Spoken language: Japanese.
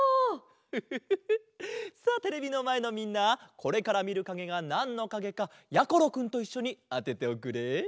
フフフフさあテレビのまえのみんなこれからみるかげがなんのかげかやころくんといっしょにあてておくれ。